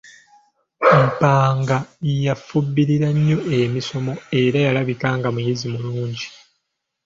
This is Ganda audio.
Mpanga yafubirira nnyo emisomo era yalabika nga muyizi mulungi.